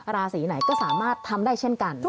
ราศีไหนก็สามารถทำได้เช่นกัน